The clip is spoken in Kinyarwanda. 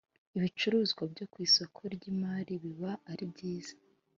ibicuruzwa byo ku isoko ry ‘imari biba aribyiza.